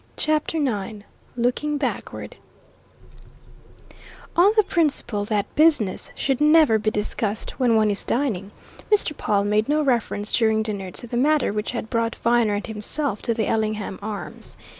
CHAPTER IX LOOKING BACKWARD On the principle that business should never be discussed when one is dining, Mr. Pawle made no reference during dinner to the matter which had brought Viner and himself to the Ellingham Arms.